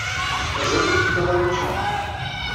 Mazal ur tekfiḍ ara učči?